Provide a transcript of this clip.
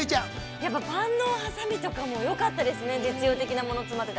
◆やっぱり万能はさみとかもよかったですね、実用的なもの詰まってて。